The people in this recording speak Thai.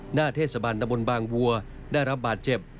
หน้าเทศบาลตะบนบางวัวได้รับบาดเจ็บ